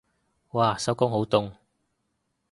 嘩收工好凍